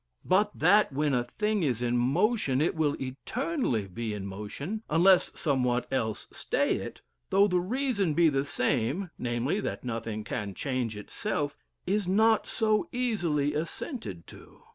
But that when a thing is in motion, it will eternally be in motion, unless somewhat else stay it, though the reason be the same namely, that nothing can change itself is not so easily assented to.